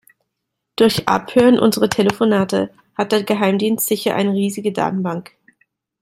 Durch Abhören unserer Telefonate hat der Geheimdienst sicher eine riesige Datenbank.